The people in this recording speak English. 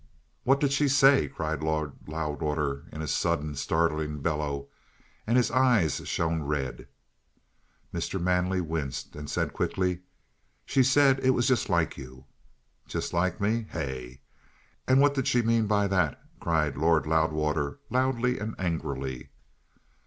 "What did she say?" cried Lord Loudwater in a sudden, startling bellow, and his eyes shone red. Mr. Manley winced and said quickly: "She said it was just like you." "Just like me? Hey? And what did she mean by that?" cried Lord Loudwater loudly and angrily.